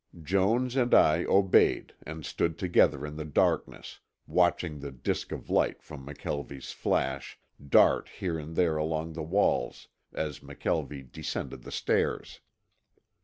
Jones and I obeyed and stood together in the darkness, watching the disk of light from McKelvie's flash dart here and there along the walls as McKelvie descended the stairs.